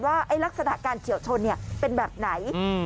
ว่าไอ้ลักษณะการเฉียวชนเนี่ยเป็นแบบไหนอืม